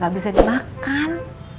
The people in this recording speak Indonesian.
gak bisa dimakan